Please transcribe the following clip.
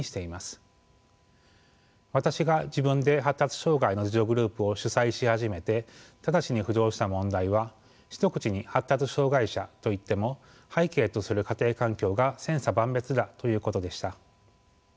私が自分で発達障害の自助グループを主宰し始めて直ちに浮上した問題は一口に発達障害者と言っても背景とする家庭環境が千差万別だということでした。